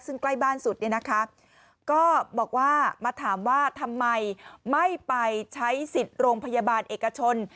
ซึ่งใกล้บ้านสุดเนี่ยนะคะก็บอกว่ามาถามว่าทำไมไม่ไปใช้สิทธิ์โรงพยาบาลเอกชน